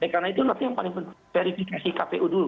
karena itu yang paling penting verifikasi kpu dulu